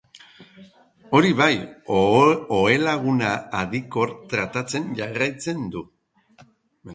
Hori bai, ohelaguna adikor tratatzen jarraitzen du.